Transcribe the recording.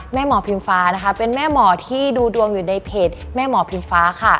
หมอพิมฟ้านะคะเป็นแม่หมอที่ดูดวงอยู่ในเพจแม่หมอพิมฟ้าค่ะ